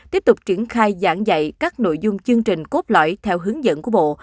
tiếp tục triển khai giảng dạy các nội dung chương trình cốt lõi theo hướng dẫn của bộ